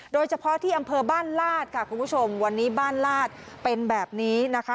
โดยเฉพาะที่อำเภอบ้านลาดค่ะคุณผู้ชมวันนี้บ้านลาดเป็นแบบนี้นะคะ